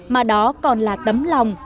mà đó còn là tấm lòng